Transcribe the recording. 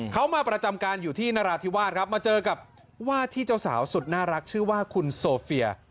เขามาประจำการอยู่ที่นราธิวาสครับมาเจอกับว่าที่เจ้าสาวสุดน่ารักชื่อว่าคุณโซเฟีย